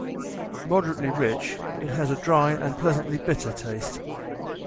Moderately rich, it has a dry and pleasantly bitter taste.